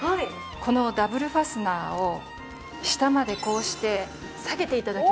このダブルファスナーを下までこうして下げて頂きますと。